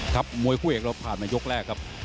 มวยคู่เอกเราผ่านมายกแรกครับ